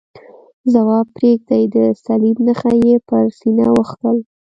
ځواب پرېږدئ، د صلیب نښه یې پر سینه وکښل.